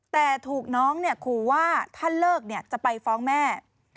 แต่ถูกน้องเนี่ยครูว่าถ้าเลิกเนี่ยจะไปฟ้องแม่